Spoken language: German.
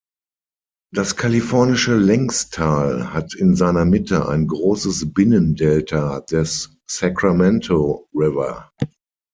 Das Kalifornische Längstal hat in seiner Mitte ein großes Binnendelta des Sacramento River.